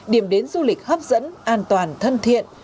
điểm đến du lịch hấp dẫn an toàn thân thiện